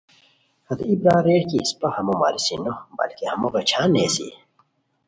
ہتے ای برار ریر کی اسپہ ہمو ماریسی نو، بلکہ ہمو غیچھان نیسی